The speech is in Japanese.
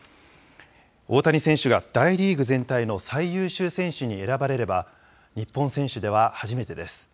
大谷選手が大リーグ全体の最優秀選手に選ばれれば、日本選手では初めてです。